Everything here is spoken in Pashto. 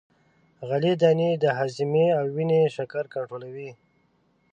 غلې دانې د هاضمې او وینې شکر کنترولوي.